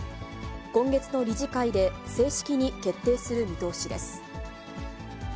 今月の理事会で正式に決定する見通しです。